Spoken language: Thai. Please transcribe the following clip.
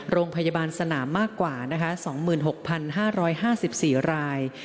โรงพยาบาลสนามมากกว่านะคะ๒๖๕๕๔ราย